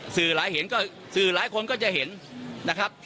หลายเห็นก็สื่อหลายคนก็จะเห็นนะครับ